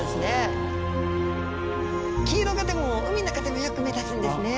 黄色がでも海の中でもよく目立つんですね。